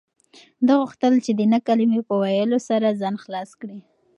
ده غوښتل چې د نه کلمې په ویلو سره ځان خلاص کړي.